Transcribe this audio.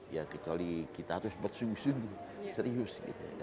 ya kecuali kita harus bersungguh sungguh serius